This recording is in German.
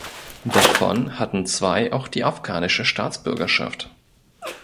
Davon hatten zwei auch die afghanische Staatsbürgerschaft.